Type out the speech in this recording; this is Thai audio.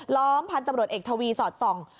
ล้อมพันธุ์ตำรวจเอกทวีสอดส่อง